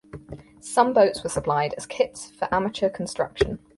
Some boats were supplied as kits for amateur construction.